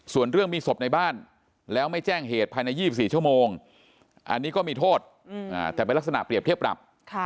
ส่วนเรื่องมีศพในบ้านแล้วไม่แจ้งเหตุภายใน๒๔ชั่วโมงอันนี้ก็มีโทษแต่เป็นลักษณะเปรียบเทียบปรับ